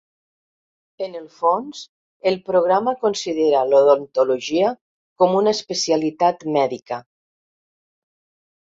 En el fons, el programa considera l'odontologia com una especialitat mèdica.